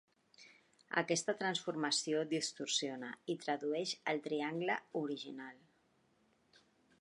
Aquesta transformació distorsiona i tradueix el triangle original.